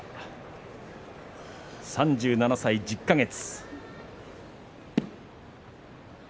３７歳１０か月。